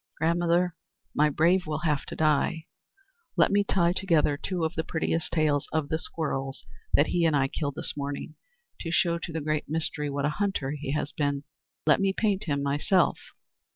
"Grandmother, my Brave will have to die! Let me tie together two of the prettiest tails of the squirrels that he and I killed this morning, to show to the Great Mystery what a hunter he has been. Let me paint him myself."